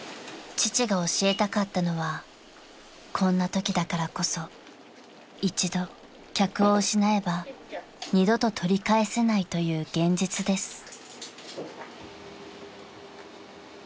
［父が教えたかったのはこんなときだからこそ一度客を失えば二度と取り返せないという現実です］